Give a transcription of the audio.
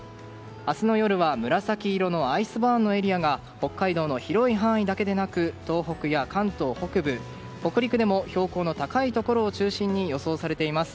明日の夜は紫色のアイスバーンのエリアが北海道の広い範囲だけでなく東北や関東北部北陸でも標高の高いところを中心に予想されています。